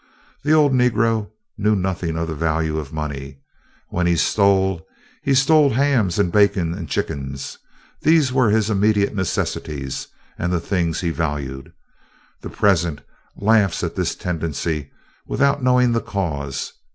The old negro knew nothing of the value of money. When he stole, he stole hams and bacon and chickens. These were his immediate necessities and the things he valued. The present laughs at this tendency without knowing the cause.